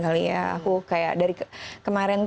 aku kayak dari kemarin